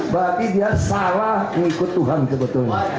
berarti dia salah mengikut tuhan sebetulnya